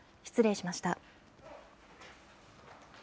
失礼しました。